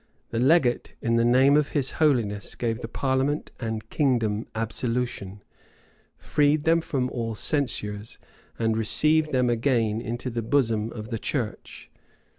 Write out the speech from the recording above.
The legate, in the name of his holiness, gave the parliament and kingdom absolution, freed them from all censures, and received them again into the bosom of the church.